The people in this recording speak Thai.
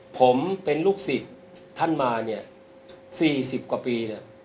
ผมเป็นลูกศิษย์ท่านมาเนี่ย๔๐กว่าปีเนี่ย